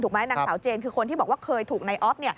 ถูกไหมนางสาวเจนคือคนที่บอกว่าเคยถูกในออฟ